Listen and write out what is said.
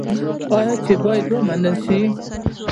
آیا چې باید ومنل شي؟